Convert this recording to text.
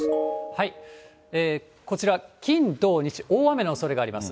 こちら、金、土、日、大雨のおそれがあります。